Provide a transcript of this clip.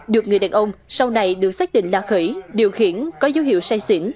được người đàn ông sau này được xác định là khởi điều khiển có dấu hiệu say xỉn